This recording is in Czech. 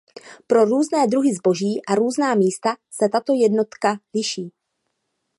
Pro různé druhy zboží a různá místa se tato jednotka liší.